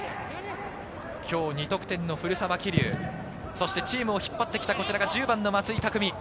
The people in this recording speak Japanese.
今日２得点の古澤希竜、そしてチームを引っ張ってきた１０番の松井匠。